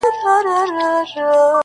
• تر همدغه آسمان لاندي -